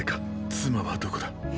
妻はどこだ。